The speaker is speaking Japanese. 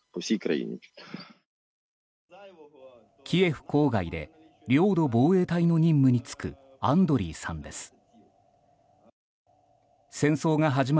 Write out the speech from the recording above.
キエフ郊外で領土防衛隊の任務に就くアンドリーさんです。